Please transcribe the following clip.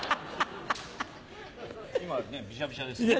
今はねビシャビシャですけど。